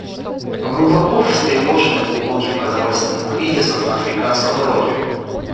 Мы глубоко встревожены глубоким продовольственным кризисом на Африканском Роге.